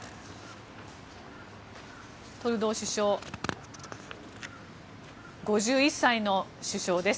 トルドー首相５１歳の首相です。